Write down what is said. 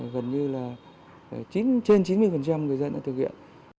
gần như là trên chín mươi người dân đã thực hiện